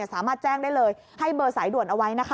สามารถแจ้งได้เลยให้เบอร์สายด่วนเอาไว้นะคะ